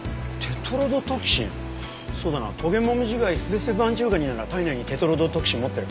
そうだなトゲモミジガイスベスベマンジュウガニなら体内にテトロドトキシンを持ってる。